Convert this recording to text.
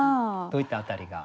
どういった辺りが？